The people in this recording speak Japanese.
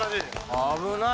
危ない。